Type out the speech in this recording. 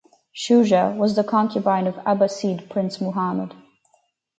Shuja was the concubine of Abbasid prince Muhammad.